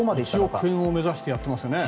１億円を目指してやってますよね。